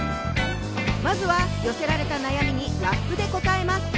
まずは、寄せられた悩みにラップで答えます。